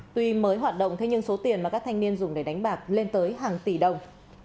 tuy mới hoạt động thế nhưng số tiền mà các thanh niên dùng để đánh bạc lên tới hàng tỷ đồng